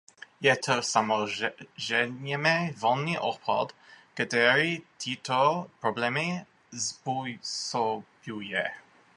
Je to samozřejmě volný obchod, který tyto problémy způsobuje.